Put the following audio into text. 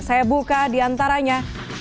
saya buka di antaranya